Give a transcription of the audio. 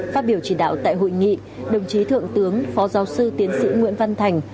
phát biểu chỉ đạo tại hội nghị đồng chí thượng tướng phó giáo sư tiến sĩ nguyễn văn thành